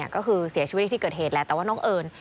ก็คือเสียชีวิตในที่เกิดเหตุแหละแต่ว่าน้องเอิญ